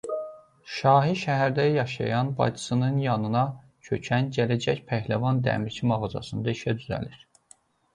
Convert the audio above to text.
Şahi şəhərində yaşayan bacısının yanına köçən gələcək pəhləvan dəmirçi mağazasında işə düzəlir.